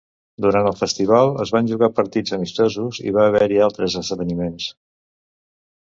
Durant el festival, es van jugar partits amistosos i va haver-hi altres esdeveniments.